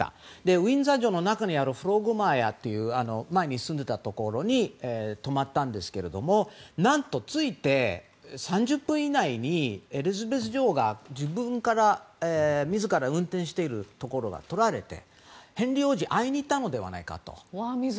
ウィンザー城の中にあるフロッグモアという前に住んでいたところに泊まったんですが何と、着いて３０分以内にエリザベス女王が自ら運転しているところが撮られて、ヘンリー王子に会いに行ったのではないかと。